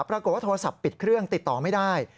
ปรากฏว่าโทรศัพท์ปิดเครื่องติดต่อไม่ได้